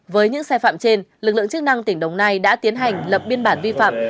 với những sai phạm trên lực lượng chức năng tỉnh đồng nai đã tiến hành lập biên bản vi phạm